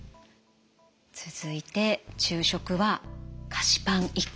続いて昼食は菓子パン１個。